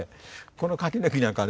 この柿の木なんかはね